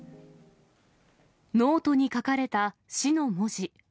ノートに書かれた死の文字。